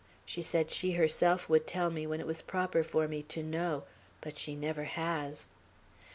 She said she herself would tell me when it was proper for me to know. But she never has."